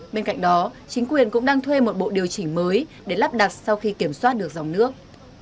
bên cạnh đó chính quyền cũng đang thuê một bộ điều chỉnh mới để lắp đặt sau khi kiểm soát được dòng nước